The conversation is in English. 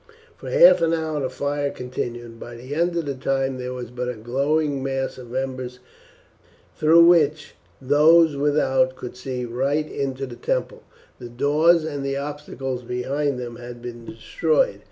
For half an hour the fire continued, and by the end of that time there was but a glowing mass of embers through which those without could soon see right into the temple. The doors and the obstacles behind them had been destroyed.